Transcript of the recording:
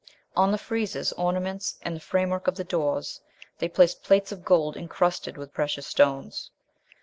On the friezes, ornaments, and the framework of the doors they place plates of gold incrusted with precious stones."